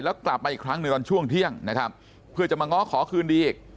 แล้วกลับมาอีกครั้งหนึ่งตอนช่วงเที่ยงนะครับเพื่อจะมาง้อขอคืนดีอีก